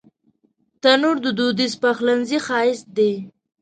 تنور د دودیز پخلنځي ښایست دی